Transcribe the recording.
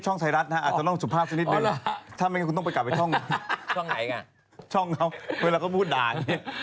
ช่องเวลาก็พูดด่าย